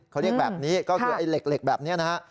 เขาเรียกแบบนี้ก็คือไอ้เหล็กแบบนี้นะฮะ